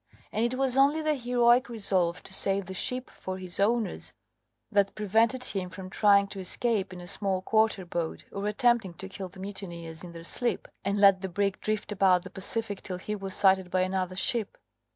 And it was only the heroic resolve to save the ship for his owners that prevented him from trying to escape in a small quarter boat, or attempting to kill the mutineers in their sleep, and let the brig drift about the Pacific till he was sighted by another ship.